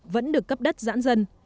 vẫn được cấp đất giãn dân